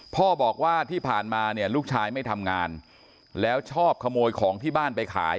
พ่อบอกว่าที่ผ่านมาเนี่ยลูกชายไม่ทำงานแล้วชอบขโมยของที่บ้านไปขาย